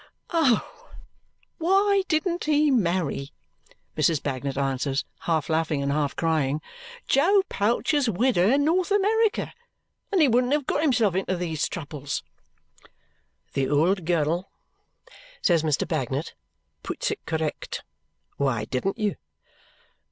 "Oh! Why didn't he marry," Mrs. Bagnet answers, half laughing and half crying, "Joe Pouch's widder in North America? Then he wouldn't have got himself into these troubles." "The old girl," says Mr. Bagnet, "puts it correct why didn't you?"